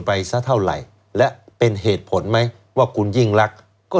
ไปซะเท่าไหร่และเป็นเหตุผลไหมว่าคุณยิ่งรักก็